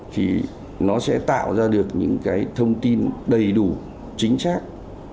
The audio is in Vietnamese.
thì nó sẽ tạo ra được những cái thông tin đầy đủ chính xác